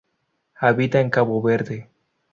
Habita en Cabo Verde.